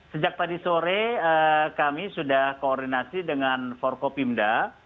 sejak tadi sore kami sudah koordinasi dengan forkopimda